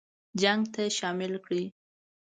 جنګ ته شامل کړي.